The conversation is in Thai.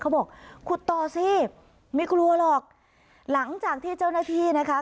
บอกขุดต่อสิไม่กลัวหรอกหลังจากที่เจ้าหน้าที่นะคะ